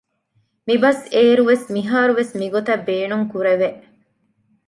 މިބަސް އޭރު ވެސް މިހާރު ވެސް މިގޮތަށް ބޭނުންކުރެވެ